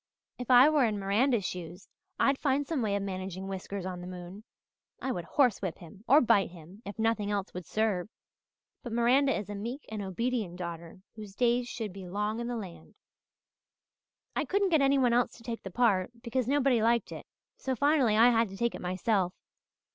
If I were in Miranda's shoes I'd find some way of managing Whiskers on the moon. I would horse whip him, or bite him, if nothing else would serve. But Miranda is a meek and obedient daughter whose days should be long in the land. "I couldn't get anyone else to take the part, because nobody liked it, so finally I had to take it myself.